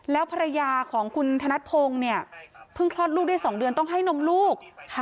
แล้วภรรยาของคุณธนัดพงศ์เนี่ยเพิ่งคลอดลูกได้๒เดือนต้องให้นมลูก